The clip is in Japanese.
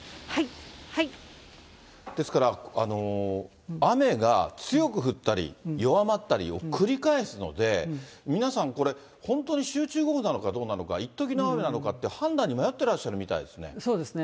ですから雨が強く降ったり、弱まったりを繰り返すので、皆さんこれ、本当に集中豪雨なのかどうなのか、いっときの雨なのかって、判断に迷ってらっしゃるみたそうですね。